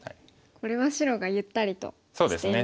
これは白がゆったりとしていますね。